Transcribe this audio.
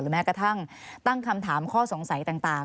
แม้กระทั่งตั้งคำถามข้อสงสัยต่าง